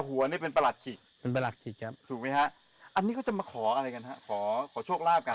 อันนี้ก็จะมาขออะไรกันครับขอโชคลาภกัน